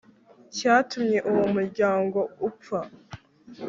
cyatumye uwo muryango upfa